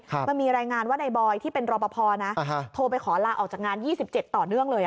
มันมีรายงานว่าในบอยที่เป็นรอปภนะโทรไปขอลาออกจากงาน๒๗ต่อเนื่องเลย